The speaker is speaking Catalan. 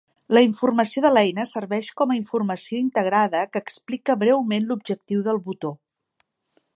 La informació de l'eina serveix com a informació integrada que explica breument l'objectiu del botó.